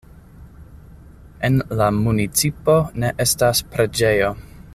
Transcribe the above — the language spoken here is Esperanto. En la municipo ne estas preĝejo.